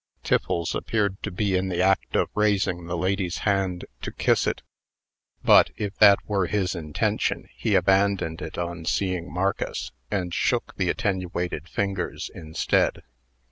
Tiffles appeared to be in the act of raising the lady's hand to kiss it; but, if that were his intention, he abandoned it on seeing Marcus, and shook the attenuated fingers instead.